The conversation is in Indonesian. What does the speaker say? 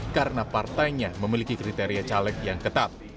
karena partainya memiliki kriteria caleg yang ketat